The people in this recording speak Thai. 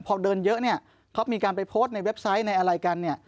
พอเดินเยอะเนี่ยเขามีการไปโพสต์ในเว็บไซต์ในอะไรกันเนี่ย